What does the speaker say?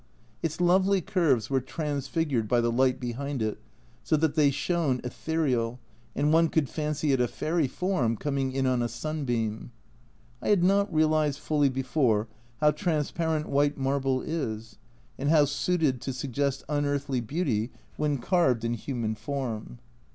Its lovely curves were transfigured by the light behind it, so that they shone ethereal, and one could fancy it a fairy form coming in on a sunbeam I had not realised fully before how transparent white marble is, and how suited to suggest unearthly beauty when carved in human form.